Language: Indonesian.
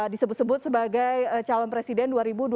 disebut sebut sebagai calon presiden dua ribu dua puluh